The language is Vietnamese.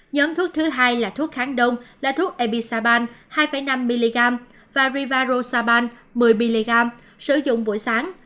nhóm thuốc thứ hai là thuốc kháng đông là thuốc ebisaban hai năm mg và rivarosaban một mươi mg sử dụng buổi sáng